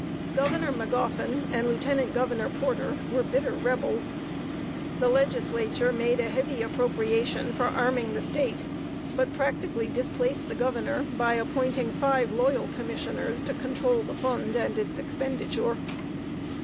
Governor Magoffin and Lieutenant Governor Porter were bitter Rebels. The Legislature made a heavy appropriation for arming the State, but practically displaced the Governor, by appointing five loyal commissioners to control the fund and its expenditure.